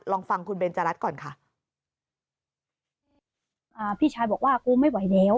ลองฟังคุณเบนจรัสก่อนค่ะ